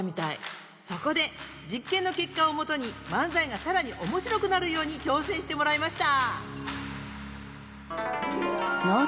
そこで実験の結果をもとに漫才が更に面白くなるように挑戦してもらいました！